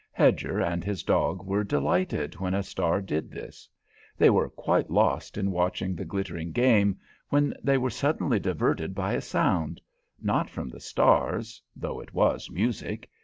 Hedger and his dog were delighted when a star did this. They were quite lost in watching the glittering game, when they were suddenly diverted by a sound, not from the stars, though it was music.